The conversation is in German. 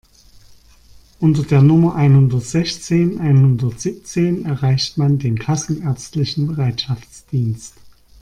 Unter der Nummer einhundertsechzehn einhundertsiebzehn erreicht man den kassenärztlichen Bereitschaftsdienst.